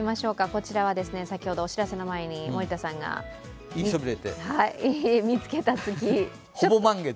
こちらは先ほどお知らせの前に森田さんが見つけた月。